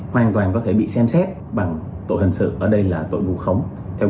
hoàn toàn có thể bị xem xét bằng tội hình sự ở đây là tội vụ khống